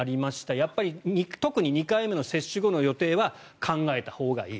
やっぱり特に２回目の接種後の予定は考えたほうがいい。